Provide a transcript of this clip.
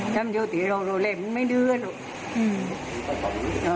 ถ้ามันเจ๋ยตีรองโรเล่มมันไม่เดือดหรือ